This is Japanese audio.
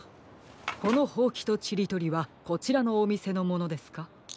このほうきとちりとりはこちらのおみせのものですか？